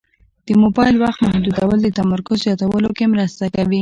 د موبایل وخت محدودول د تمرکز زیاتولو کې مرسته کوي.